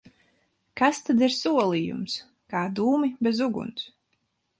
Kas tad ir solījums? Kā dūmi bez uguns!